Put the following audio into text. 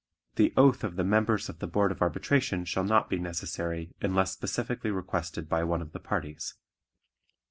The oath of the members of the Board of Arbitration shall not be necessary unless specifically requested by one of the parties.